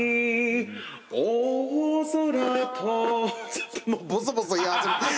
ちょっともうボソボソいい始め。